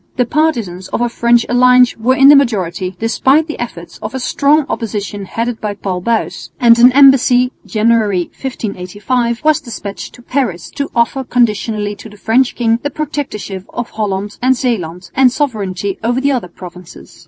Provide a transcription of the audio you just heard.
The partisans of a French alliance were in the majority, despite the efforts of a strong opposition headed by Paul Buys; and an embassy (January, 1585) was despatched to Paris to offer conditionally to the French king the Protectorship of Holland and Zeeland and sovereignty over the other provinces.